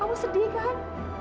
kamu sedih kan